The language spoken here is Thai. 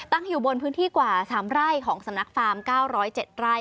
ตั้งอยู่บนพื้นที่กว่า๓ไร่ของสำนักฟาร์ม๙๐๗ไร่